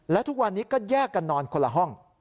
และทุกวันนี้ก็แยกกันนอนคนละห้อง